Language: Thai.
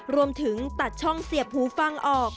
รวมถึงตัดช่องเสียบหูฟังออก